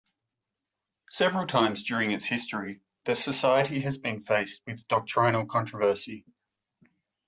Several times during its history, the society has been faced with doctrinal controversy.